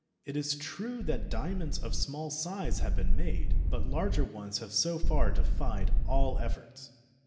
It is true that diamonds of small size have been made, but larger ones have so far defied all efforts.